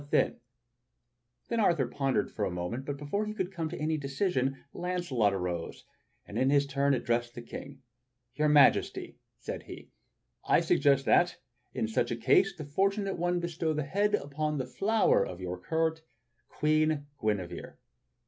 Then Arthur pondered for a moment, but before he could come to any decision, Launcelot arose and in his turn addressed the King: "Your Majesty," said he, "I suggest that, in such a case, the fortunate one bestow the head upon the flower of your court — Queen Guinevere."